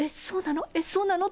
そうなの？